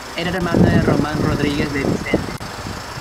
Era hermano de Román Rodríguez de Vicente.